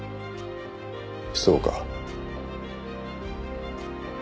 そうか。